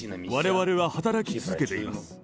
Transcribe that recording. われわれは働き続けています。